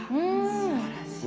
すばらしい。